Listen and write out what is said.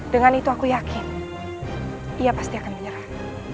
dengan itu aku yakin ia pasti akan menyerah